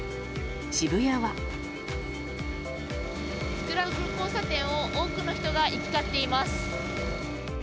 スクランブル交差点を多くの人が行き交っています。